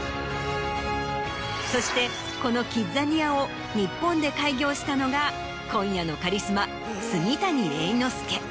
そしてこのキッザニアを日本で開業したのが今夜のカリスマ住谷栄之資。